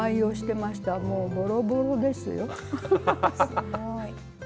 すごい。